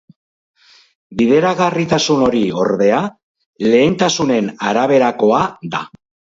Bideragarritasun hori, ordea, lehentasunen araberakoa da.